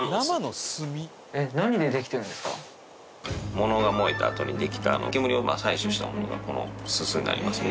ものが燃えたあとにできた煙を採取したものがこの煤になりますね